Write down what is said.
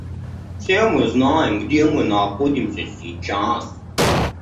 Все мы знаем, где мы находимся сейчас.